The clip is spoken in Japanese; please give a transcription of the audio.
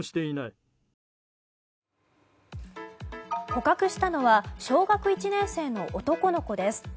捕獲したのは小学１年生の男の子です。